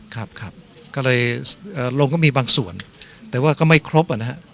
ครับครับก็เลยลงก็มีบางส่วนแต่ว่าก็ไม่ครบอ่ะนะฮะ